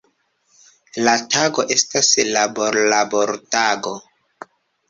La tago estas labor-labortago.